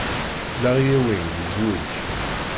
Larry Ewing yezwej.